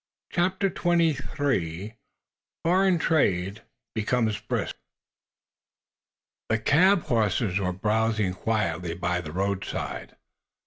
CHAPTER XXIII "FOREIGN TRADE" BECOMES BRISK The cab horses were browsing quietly by the roadside.